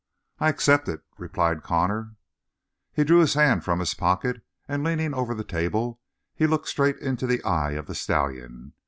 "I accept it," replied Connor. He drew his hand from his pocket, and leaning over the table, he looked straight into the eye of the stallion.